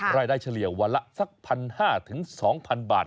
รายได้เฉลี่ยวันละสัก๑๕๐๐๒๐๐๐บาท